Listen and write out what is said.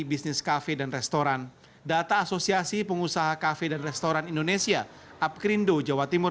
bisnis cafe dan restoran data asosiasi pengusaha cafe dan restoran indonesia apk rindo jawa timur